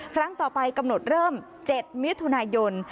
ครั้งต่อไปกำหนดเริ่ม๗มิถุนายน